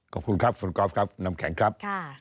ขอบคุณครับคุณกอล์ฟครับน้ำแข็งครับ